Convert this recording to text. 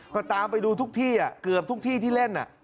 ก็ตามไปดูทุกที่เกือบทุกที่ที่เล่น